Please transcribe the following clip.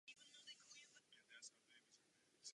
V současnosti jsou zde vysazeny vzácné rostliny.